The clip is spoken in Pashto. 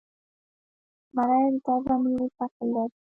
زمری د تازه میوو فصل دی.